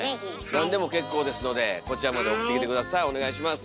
何でも結構ですのでこちらまで送ってきて下さいお願いします。